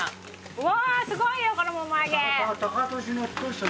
うわすごいよこのもも揚げ。